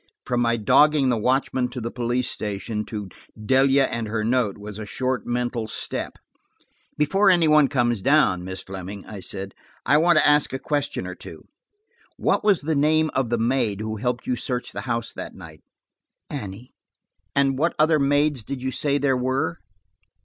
From my dogging the watchman to the police station, to Delia and her note, was a short mental step. "Before any one comes down, Miss Fleming," I said, "I want to ask a question or two. What was the name of the maid who helped you search the house that night? "Annie." "What other maids did you say there were?"